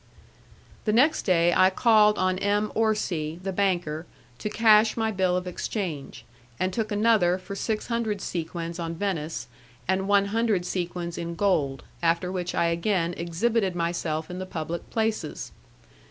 The next day I called on M. Orsi, the banker, to cash my bill of exchange, and took another for six hundred sequins on Venice, and one hundred sequins in gold after which I again exhibited myself in the public places.